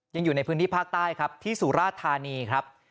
ยังอยู่ในพื้นที่ภาคใต้ครับที่สุราธานีครับ